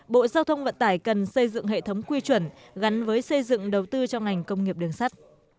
bộ giao thông vận tải cần xây dựng hệ thống quy chuẩn gắn với xây dựng đầu tư cho ngành công nghiệp đường sắt